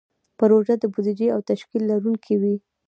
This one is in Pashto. پروژه د بودیجې او تشکیل لرونکې وي.